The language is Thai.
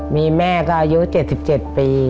มีแม่ก็อายุ๗๗ปี